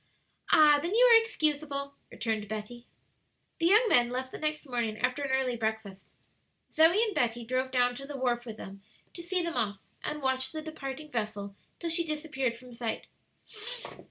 "Ah, then, you are excusable," returned Betty. The young men left the next morning, after an early breakfast. Zoe and Betty drove down to the wharf with them to see them off, and watched the departing vessel till she disappeared from sight.